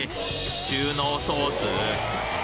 中濃ソース！？